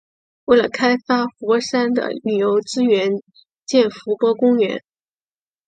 为了开发伏波山的旅游资源建伏波公园。